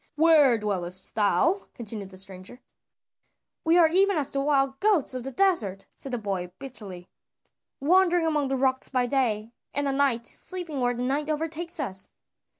"Where dwellest thou?" continued the stranger. "We are even as the wild goats of the desert," said the boy bitterly, "wandering among the rocks by day, and at night sleeping where the night overtakes us."